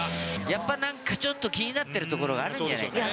やっぱり、なんかちょっと気になってるところがあるんじゃないかな。